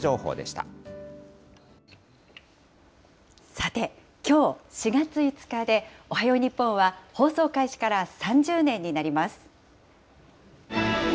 さて、きょう４月５日で、おはよう日本は放送開始から３０年になります。